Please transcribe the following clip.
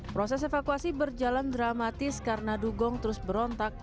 proses evakuasi berjalan dramatis karena dugong terus berontak